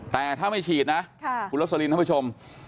แต่ถ้าไม่ฉีดนะคุณรสลินท่านผู้ชม